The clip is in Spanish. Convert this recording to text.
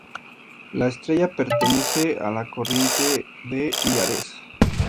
La estrella pertenece a la corriente de Híades.